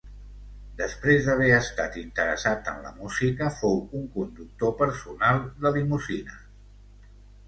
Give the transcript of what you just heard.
Després d'haver estat interessat en la música fou un conductor personal de limusines.